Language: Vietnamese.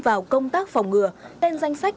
vào công tác phòng ngừa tên danh sách